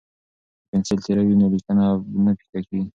که پنسل تیره وي نو لیکنه نه پیکه کیږي.